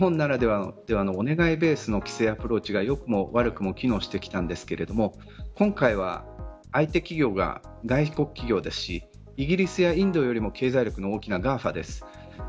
日本ならではのお願いベースの規制アプローチが良くも悪くも機能してきたんですけど今回は相手企業が外国企業ですしイギリスやインドよりも経済力がＧＡＦＡです。